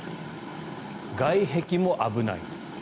外壁も危ない。